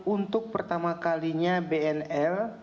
untuk pertama kalinya bnl